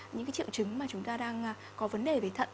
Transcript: những triệu chứng mà chúng ta đang có vấn đề về thận